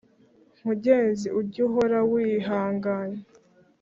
Mugenzi ujy’ uhora wihanganye